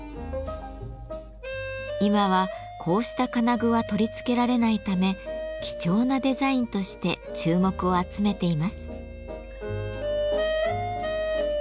今はこうした金具は取り付けられないため貴重なデザインとして注目を集めています。